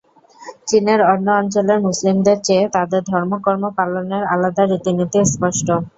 চীনের অন্য অঞ্চলের মুসলিমদের চেয়ে তাদের ধর্মকর্ম পালনের আলাদা রীতিনীতি স্পষ্ট।